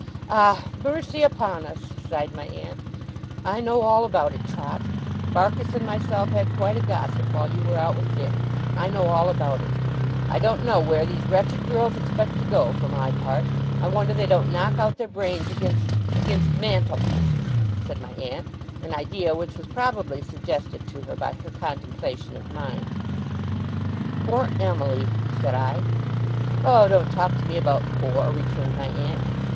'Ah! Mercy upon us!' sighed my aunt. 'I know all about it, Trot! Barkis and myself had quite a gossip while you were out with Dick. I know all about it. I don't know where these wretched girls expect to go to, for my part. I wonder they don't knock out their brains against against mantelpieces,' said my aunt; an idea which was probably suggested to her by her contemplation of mine. 'Poor Emily!' said I. 'Oh, don't talk to me about poor,' returned my aunt.